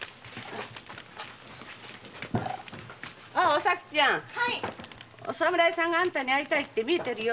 お咲ちゃんお侍さんがあんたに会いたいって表にみえてるよ。